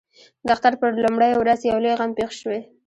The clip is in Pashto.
د اختر پر لومړۍ ورځ یو لوی غم پېښ شوی.